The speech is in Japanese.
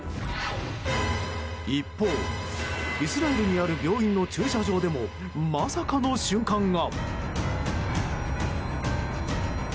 一方、イスラエルにある病院の駐車場でもまさかの瞬間が。